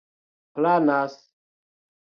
planas